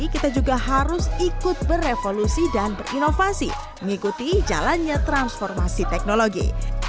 kita juga harus ikut berevolusi dan berinovasi mengikuti jalannya transformasi teknologi